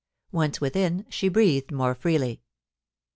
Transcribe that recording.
Once within, she breathed more freely.